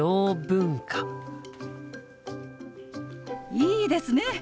いいですね！